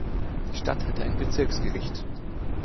Die Stadt hatte ein Bezirksgericht.